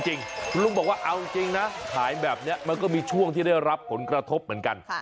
จริงคุณลุงบอกว่าเอาจริงนะขายแบบนี้มันก็มีช่วงที่ได้รับผลกระทบเหมือนกัน